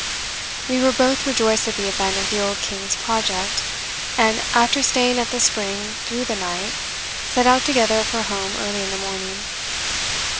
We were both rejoiced at the event of the old King's project; and after staying at the spring through the night, set out together for home early in the morning.